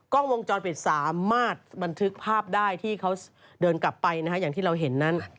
กล้องวงจรปิดสามารถบันทึกภาพได้ที่เขาเดินกลับไปนะฮะอย่างที่เราเห็นนั้น